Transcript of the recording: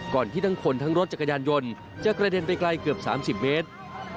ที่ทั้งคนทั้งรถจักรยานยนต์จะกระเด็นไปไกลเกือบ๓๐เมตร